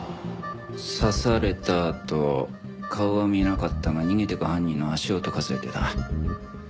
刺されたあと顔は見えなかったが逃げていく犯人の足音を数えてた。